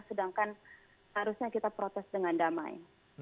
sedangkan harusnya kita protes dengan damai